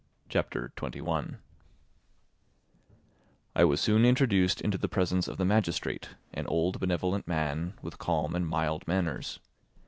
Chapter 21 I was soon introduced into the presence of the magistrate, an old benevolent man with calm and mild manners.